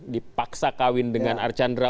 dipaksa kawin dengan archandra